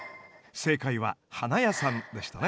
正解は花屋さんでしたね。